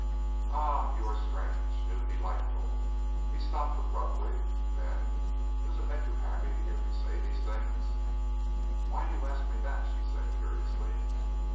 "Ah, you are strange, new, delightful!" He stopped abruptly. Then: "Does it make you happy to hear me say these things?" "Why do you ask me that?" she said curiously.